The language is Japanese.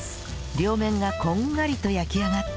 両面がこんがりと焼き上がったら